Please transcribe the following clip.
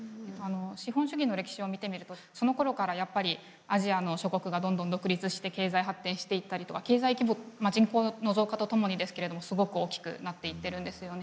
資本主義の歴史を見てみるとそのころからやっぱりアジアの諸国がどんどん独立して経済発展していったりとか経済規模まあ人口の増加とともにですけれどもすごく大きくなっていってるんですよね。